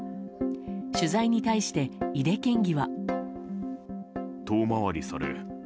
取材に対して井手県議は。